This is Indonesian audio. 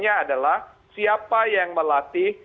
adalah siapa yang melatih